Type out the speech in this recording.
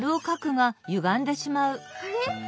あれ？